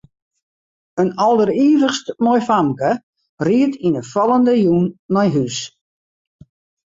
In alderivichst moai famke ried yn 'e fallende jûn nei hús.